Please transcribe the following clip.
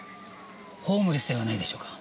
ホームレスではないでしょうか。